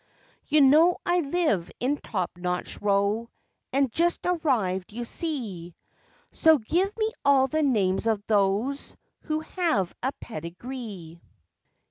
"You know I live in Top Notch Row, And just arrived, you see, So give me all the names of those Who have a pedigree."